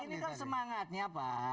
pak ini kan semangatnya pak ya